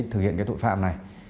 thực hiện cái tội phạm này